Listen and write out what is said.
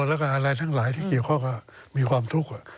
แล้วก็อะไรทั้งหลายที่เกี่ยวข้องก็มีความทุกข์